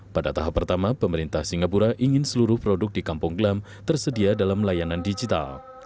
pada tahap pertama pemerintah singapura ingin seluruh produk di kampung glam tersedia dalam layanan digital